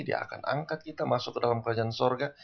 dia akan angkat kita masuk ke dalam keadaan sorga